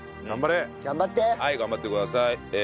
はい頑張ってください。